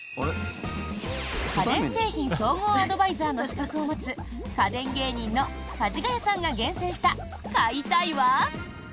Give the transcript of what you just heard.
家電製品総合アドバイザーの資格を持つ家電芸人のかじがやさんが厳選した「買いたい！」は？